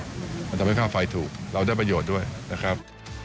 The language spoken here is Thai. มันทำให้ค่าไฟถูกเราได้ประโยชน์ด้วยนะครับ